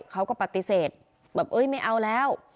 เขาก็ปฏิเสธแบบไม่เอาแล้ว